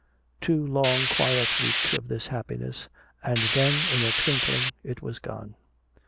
Two long quiet weeks of this happiness, and then in a twinkling it was gone.